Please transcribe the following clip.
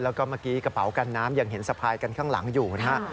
แล้วก็เมื่อกี้กระเป๋ากันน้ำยังเห็นสะพายกันข้างหลังอยู่นะฮะ